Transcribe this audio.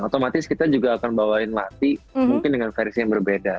otomatis kita juga akan bawain mati mungkin dengan versi yang berbeda